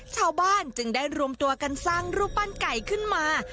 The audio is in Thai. ชาวบ้านจึงได้รวมตัวกันสร้างรูปปั้นไก่ขึ้นมา